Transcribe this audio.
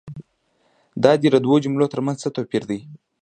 دا دي دوو جملو تر منځ څه توپیر دی؟